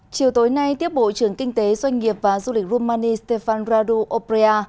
chiều tối nay tiếp bộ trưởng kinh tế doanh nghiệp và du lịch rumani stefan radu operia